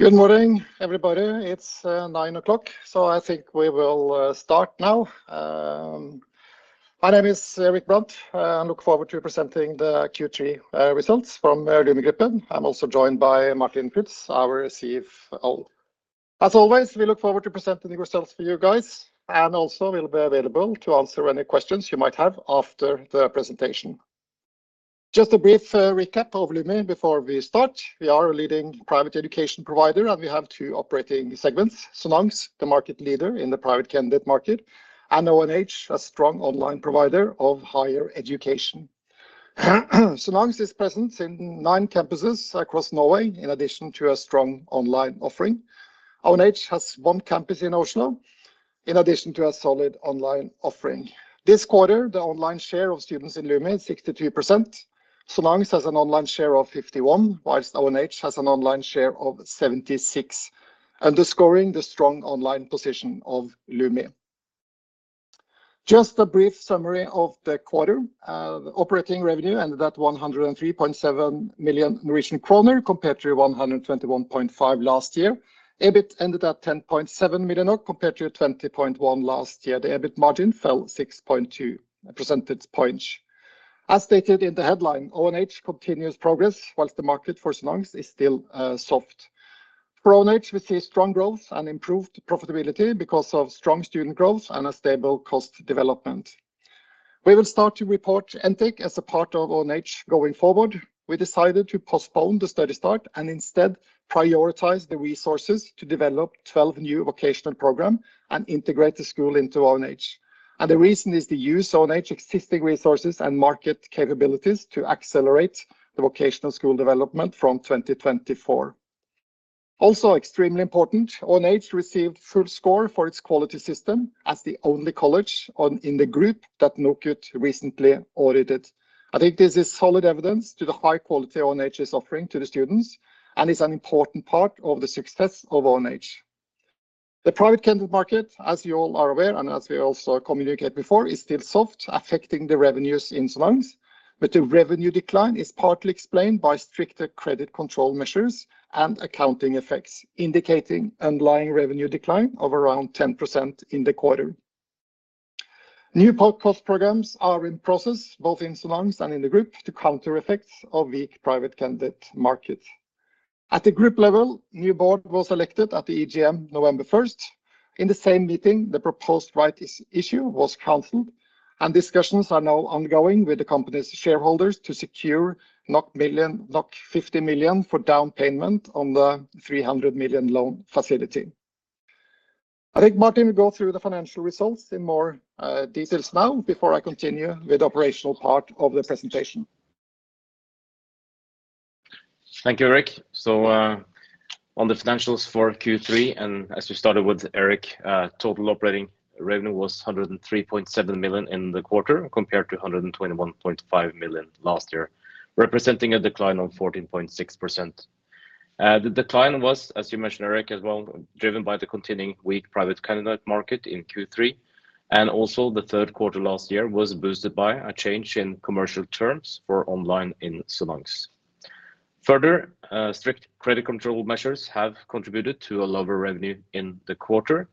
Good morning, everybody. It's 9:00AM, so I think we will start now. My name is Erik Brandt. I look forward to presenting the Q3 results from Lumi Gruppen. I'm also joined by Martin Prytz, our CFO. As always, we look forward to presenting the results for you guys, and also we'll be available to answer any questions you might have after the presentation. Just a brief recap of Lumi before we start. We are a leading private education provider, and we have two operating segments: Sonans, the market leader in the private candidate market, and ONH, a strong online provider of higher education. Sonans is present in nine campuses across Norway, in addition to a strong online offering. ONH has one campus in Oslo, in addition to a solid online offering. This quarter, the online share of students in Lumi is 62%. Sonans has an online share of 51, while ONH has an online share of 76, underscoring the strong online position of Lumi. Just a brief summary of the quarter. The operating revenue ended at 103.7 million Norwegian kroner, compared to 121.5 million last year. EBIT ended at 10.7 million, compared to 20.1 million last year. The EBIT margin fell 6.2 percentage points. As stated in the headline, ONH continues progress, while the market for Sonans is still soft. For ONH, we see strong growth and improved profitability because of strong student growth and a stable cost development. We will start to report Ntech as a part of ONH going forward. We decided to postpone the study start and instead prioritize the resources to develop 12 new vocational programs and integrate the school into ONH. The reason is to use ONH's existing resources and market capabilities to accelerate the vocational school development from 2024. Also, extremely important, ONH received full score for its quality system as the only college in the group that NOKUT recently audited. I think this is solid evidence to the high quality ONH is offering to the students and is an important part of the success of ONH. The private candidate market, as you all are aware, and as we also communicate before, is still soft, affecting the revenues in Sonans, but the revenue decline is partly explained by stricter credit control measures and accounting effects, indicating underlying revenue decline of around 10% in the quarter. New cost programs are in process, both in Sonans and in the group, to counter effects of weak private candidate market. At the group level, new board was elected at the EGM, November first. In the same meeting, the proposed rights issue was canceled, and discussions are now ongoing with the company's shareholders to secure 50 million for down payment on the 300 million loan facility. I think Martin will go through the financial results in more details now, before I continue with the operational part of the presentation. Thank you, Erik. So, on the financials for Q3, and as you started with, Erik, total operating revenue was 103.7 million in the quarter, compared to 121.5 million last year, representing a decline of 14.6%. The decline was, as you mentioned, Erik, as well, driven by the continuing weak private candidate market in Q3, and also, the third quarter last year was boosted by a change in commercial terms for online in Sonans. Further, strict credit control measures have contributed to a lower revenue in the quarter.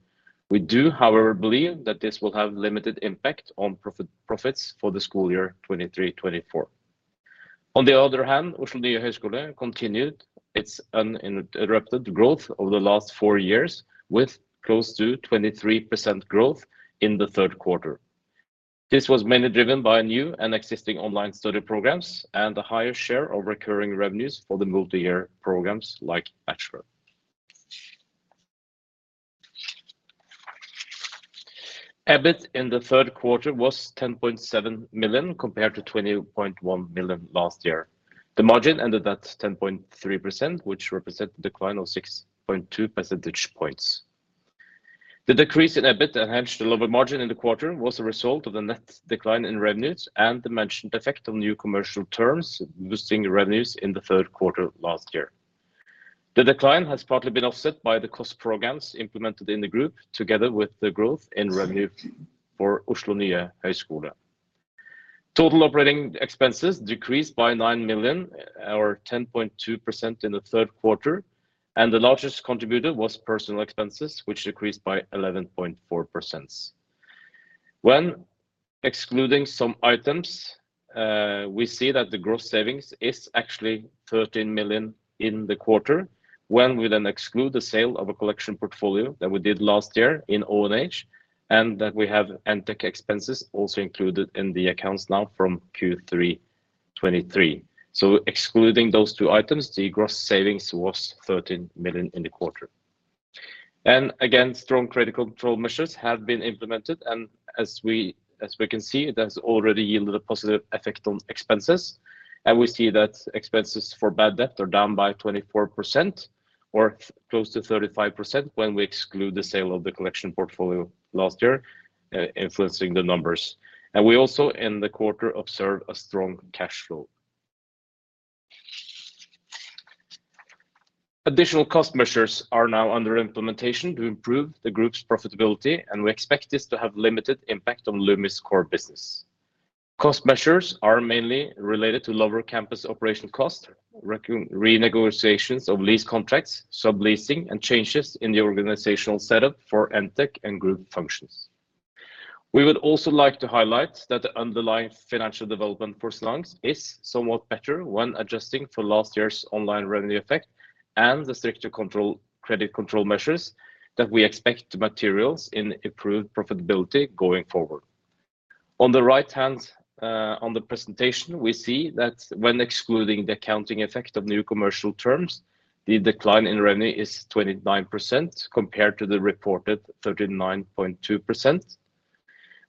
We do, however, believe that this will have limited impact on profits for the school year 2023-2024. On the other hand, also, Oslo Nye Høyskole continued its uninterrupted growth over the last four years, with close to 23% growth in the third quarter. This was mainly driven by new and existing online study programs and a higher share of recurring revenues for the multi-year programs like Bachelor. EBIT in the third quarter was 10.7 million, compared to 20.1 million last year. The margin ended at 10.3%, which represents the decline of 6.2 percentage points. The decrease in EBIT and hence the lower margin in the quarter was a result of the net decline in revenues and the mentioned effect on new commercial terms, boosting the revenues in the third quarter last year. The decline has partly been offset by the cost programs implemented in the group, together with the growth in revenue for Oslo Nye Høyskole. Total operating expenses decreased by 9 million, or 10.2% in the third quarter, and the largest contributor was personal expenses, which decreased by 11.4%. When excluding some items, we see that the gross savings is actually 13 million in the quarter. When we then exclude the sale of a collection portfolio that we did last year in ONH, and that we have Ntech expenses also included in the accounts now from Q3 2023. So excluding those two items, the gross savings was 13 million in the quarter. And again, strong credit control measures have been implemented, and as we can see, it has already yielded a positive effect on expenses. We see that expenses for bad debt are down by 24%, or close to 35% when we exclude the sale of the collection portfolio last year, influencing the numbers. We also, in the quarter, observed a strong cash flow. Additional cost measures are now under implementation to improve the group's profitability, and we expect this to have limited impact on Lumi's core business. Cost measures are mainly related to lower campus operation cost, renegotiations of lease contracts, subleasing, and changes in the organizational setup for Ntech and group functions. We would also like to highlight that the underlying financial development for Sonans is somewhat better when adjusting for last year's online revenue effect and the stricter credit control measures that we expect to materialize in improved profitability going forward. On the right-hand, on the presentation, we see that when excluding the accounting effect of new commercial terms, the decline in revenue is 29% compared to the reported 39.2%.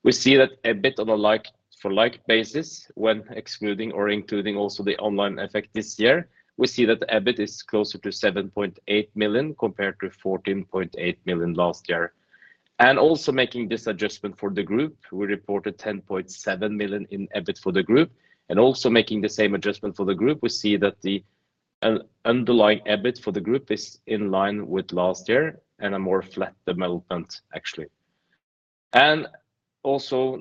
We see that a bit on a like for like basis when excluding or including also the online effect this year, we see that the EBIT is closer to 7.8 million, compared to 14.8 million last year. Also making this adjustment for the group, we reported 10.7 million in EBIT for the group, and also making the same adjustment for the group, we see that the underlying EBIT for the group is in line with last year and a more flat development, actually. And also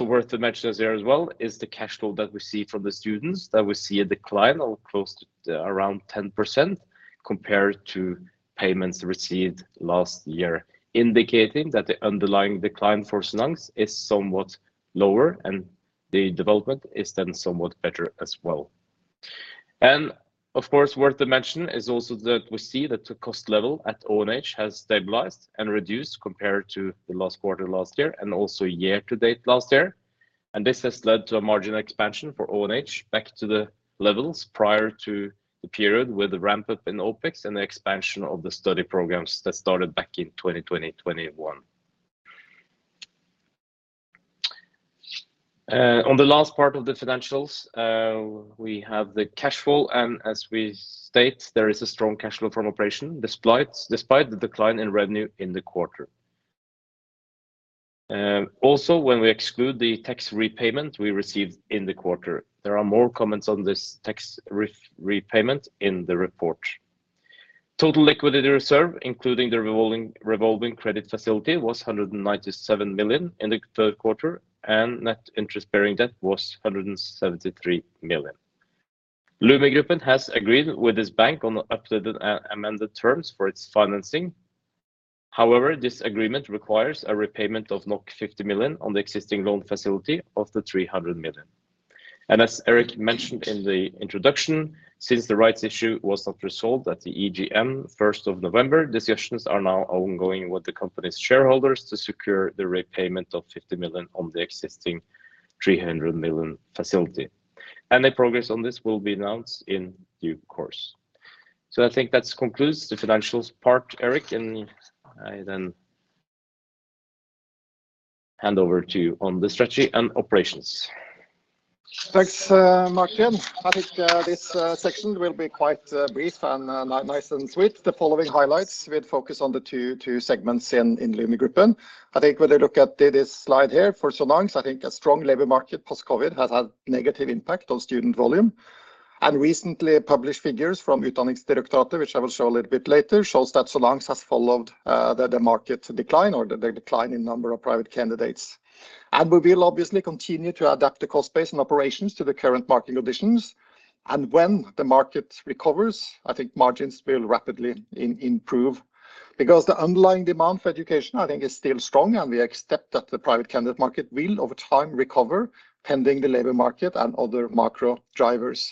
worth to mention as there as well is the cash flow that we see from the students, that we see a decline of close to around 10% compared to payments received last year, indicating that the underlying decline for Sonans is somewhat lower, and the development is then somewhat better as well. And of course, worth to mention is also that we see that the cost level at ONH has stabilized and reduced compared to the last quarter last year and also year to date last year. And this has led to a marginal expansion for ONH, back to the levels prior to the period, with the ramp-up in OpEx and the expansion of the study programs that started back in 2020, 2021. On the last part of the financials, we have the cash flow, and as we state, there is a strong cash flow from operation, despite the decline in revenue in the quarter. Also, when we exclude the tax repayment we received in the quarter, there are more comments on this tax repayment in the report. Total liquidity reserve, including the revolving credit facility, was 197 million in the third quarter, and net interest-bearing debt was 173 million. Lumi Gruppen has agreed with this bank on the updated and amended terms for its financing. However, this agreement requires a repayment of 50 million on the existing loan facility of the 300 million. As Erik mentioned in the introduction, since the rights issue was not resolved at the EGM, first of November, discussions are now ongoing with the company's shareholders to secure the repayment of 50 million on the existing 300 million facility. The progress on this will be announced in due course. I think that concludes the financials part, Erik, and I then hand over to you on the strategy and operations. Thanks, Martin. I think this section will be quite brief and nice and sweet. The following highlights will focus on the two segments in Lumi Gruppen. I think when I look at this slide here, for Sonans, I think a strong labor market post-COVID has had negative impact on student volume. Recently published figures from Utdanningsdirektoratet, which I will show a little bit later, shows that Sonans has followed the market decline or the decline in number of private candidates. We will obviously continue to adapt the cost base and operations to the current market conditions. When the market recovers, I think margins will rapidly improve, because the underlying demand for education, I think, is still strong, and we expect that the private candidate market will, over time, recover, pending the labor market and other macro drivers.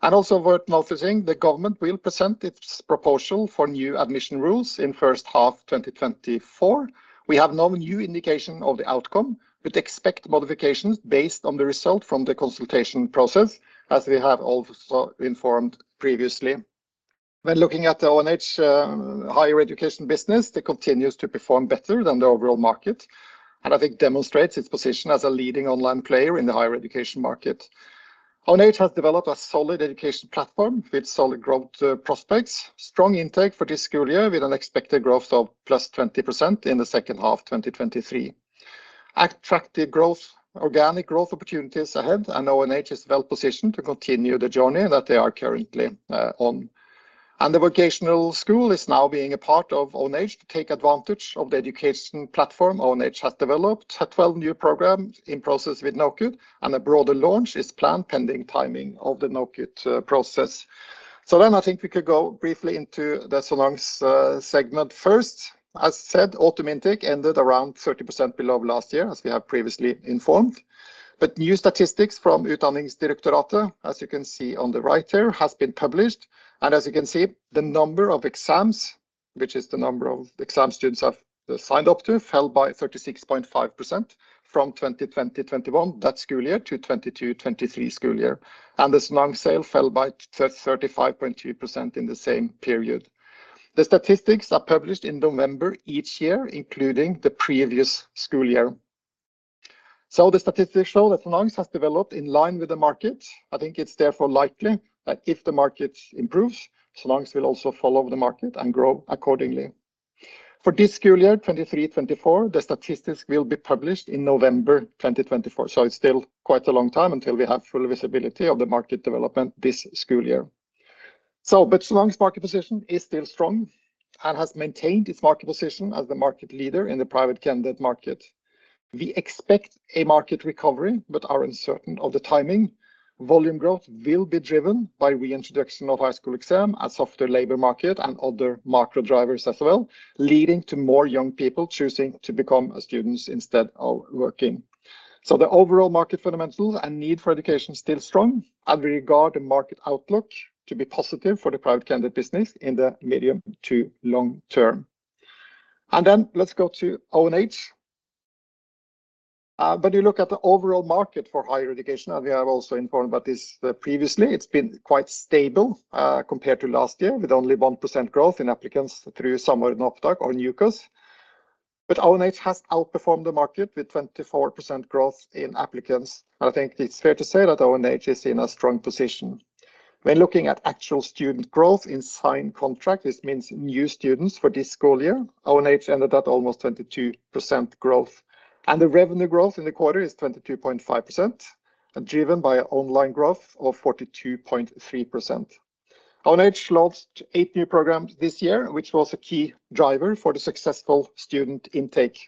Also worth noticing, the government will present its proposal for new admission rules in first half 2024. We have no new indication of the outcome, but expect modifications based on the result from the consultation process, as we have also informed previously. When looking at the ONH higher education business, it continues to perform better than the overall market and I think demonstrates its position as a leading online player in the higher education market. ONH has developed a solid education platform with solid growth, prospects, strong intake for this school year, with an expected growth of +20% in the second half 2023. Attractive growth, organic growth opportunities ahead, and ONH is well positioned to continue the journey that they are currently on. The vocational school is now being a part of ONH to take advantage of the education platform ONH has developed. It has 12 new programs in process with NOKUT, and a broader launch is planned, pending timing of the NOKUT process. I think we could go briefly into the Sonans segment first. As said, autumn intake ended around 30% below last year, as we have previously informed. New statistics from Utdanningsdirektoratet, as you can see on the right here, has been published. And as you can see, the number of exams, which is the number of exam students have signed up to, fell by 36.5% from 2020-2021 school year to 2022-2023 school year. And the Sonans sales fell by 35.2% in the same period. The statistics are published in November each year, including the previous school year. So the statistics show that Sonans has developed in line with the market. I think it's therefore likely that if the market improves, Sonans will also follow the market and grow accordingly. For this school year, 2023-2024, the statistics will be published in November 2024, so it's still quite a long time until we have full visibility of the market development this school year. So, but Sonans's market position is still strong. has maintained its market position as the market leader in the private candidate market. We expect a market recovery, but are uncertain of the timing. Volume growth will be driven by reintroduction of high school exam, a softer labor market, and other macro drivers as well, leading to more young people choosing to become students instead of working. So the overall market fundamentals and need for education is still strong, and we regard the market outlook to be positive for the private candidate business in the medium to long term. Then let's go to ONH. When you look at the overall market for higher education, and we have also informed about this previously, it's been quite stable compared to last year, with only 1% growth in applicants through sommer- og høstterminen on Samordna opptak. But ONH has outperformed the market, with 24% growth in applicants. I think it's fair to say that ONH is in a strong position. When looking at actual student growth in signed contract, this means new students for this school year, ONH ended at almost 22% growth, and the revenue growth in the quarter is 22.5% and driven by online growth of 42.3%. ONH launched 8 new programs this year, which was a key driver for the successful student intake.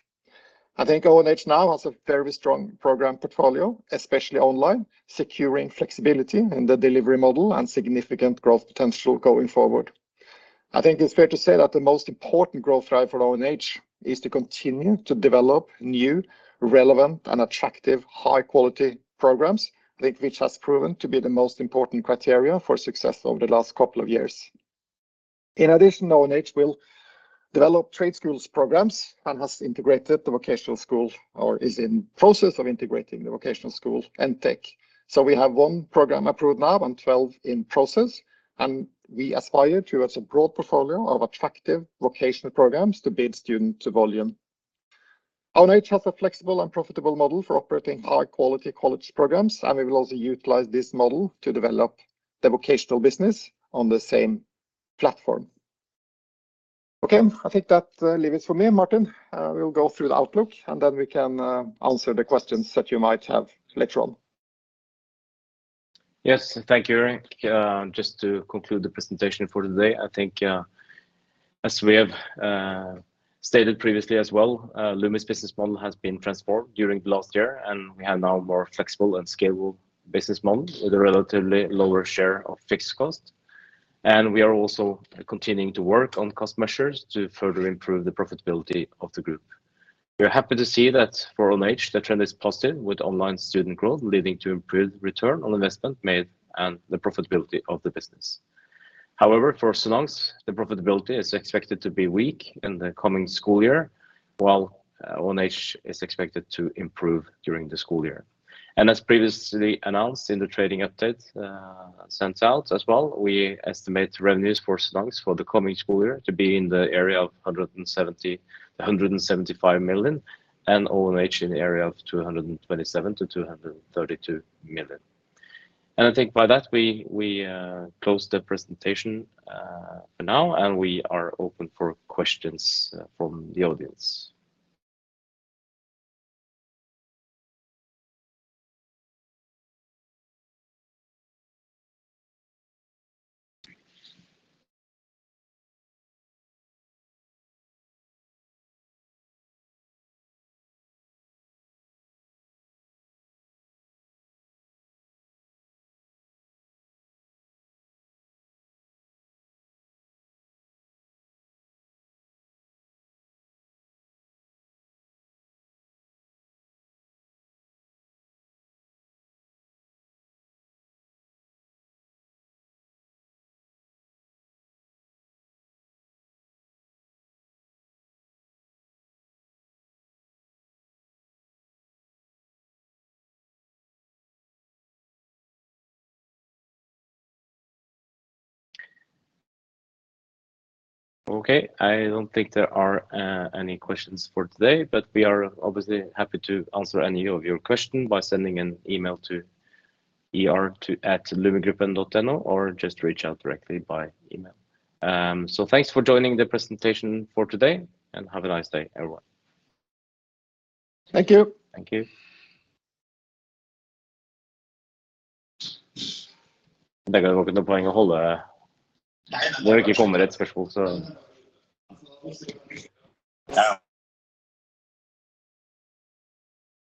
I think ONH now has a very strong program portfolio, especially online, securing flexibility in the delivery model and significant growth potential going forward. I think it's fair to say that the most important growth driver for ONH is to continue to develop new, relevant and attractive high-quality programs, which has proven to be the most important criteria for success over the last couple of years. In addition, ONH will develop trade school programs and has integrated the vocational school, or is in process of integrating the vocational school and Ntech. So we have one program approved now and 12 in process, and we aspire towards a broad portfolio of attractive vocational programs to build student volume. ONH has a flexible and profitable model for operating high-quality college programs, and we will also utilize this model to develop the vocational business on the same platform. Okay, I think that leave it for me, Martin. We'll go through the outlook, and then we can answer the questions that you might have later on. Yes, thank you, Erik. Just to conclude the presentation for today, I think, as we have stated previously as well, Lumi's business model has been transformed during the last year, and we have now a more flexible and scalable business model with a relatively lower share of fixed cost. We are also continuing to work on cost measures to further improve the profitability of the group. We are happy to see that for ONH, the trend is positive, with online student growth leading to improved return on investment made and the profitability of the business. However, for Sonans, the profitability is expected to be weak in the coming school year, while ONH is expected to improve during the school year. As previously announced in the trading update sent out as well, we estimate revenues for Sonans for the coming school year to be in the area of 170 million-175 million, and ONH in the area of 227 million-232 million. I think by that, we close the presentation for now, and we are open for questions from the audience. Okay, I don't think there are any questions for today, but we are obviously happy to answer any of your question by sending an email to IR@lumigruppen.no, or just reach out directly by email. So, thanks for joining the presentation for today, and have a nice day, everyone. Thank you. Thank you.